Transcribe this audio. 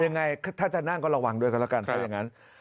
ยังไงถ้าจะนั่งก็ระวังด้วยก็ละกัน